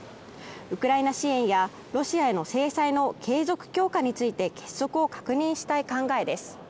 ウクライナ支援やロシアへの制裁の継続強化について結束を確認したい考えです。